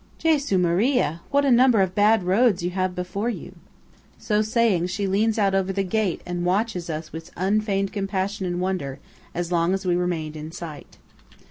Jesu Maria! What a number of bad roads you have before you!" So saying, she leans out over the gate and watches us with unfeigned compassion and wonder, as long as we remain in sight.